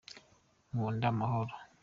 nkunda amahoro.